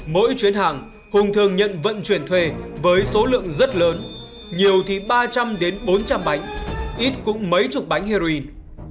mỗi chuyến hàng hùng thường nhận vận chuyển thuê với số lượng rất lớn nhiều thì ba trăm linh bốn trăm linh bánh ít cũng mấy chục bánh heroin